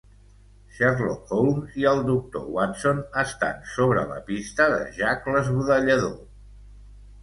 Sherlock Holmes i el doctor Watson estan sobre la pista de Jack l'Esbudellador.